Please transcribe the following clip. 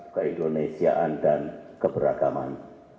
keindonesiaan dan keberagaman